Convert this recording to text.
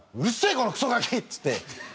このクソガキ！」っつって。